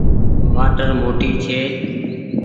وآٽر موٽي ڇي۔